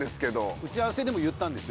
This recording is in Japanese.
打ち合わせでも言ったんですよ。